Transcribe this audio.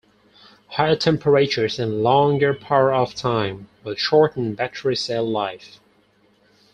Higher temperatures and longer power-off time will shorten battery cell life.